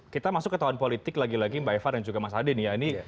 kita masuk ke tahun politik lagi lagi mbak eva dan juga mas ade nih ya